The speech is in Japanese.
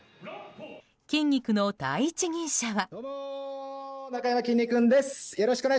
筋肉の第一人者は。